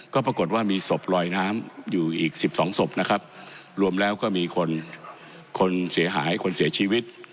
ก็ปรากฏว่ามีศพลอยน้ำอยู่อีกสิบสองศพนะครับรวมแล้วก็มีคนคนเสียหายคนเสียชีวิต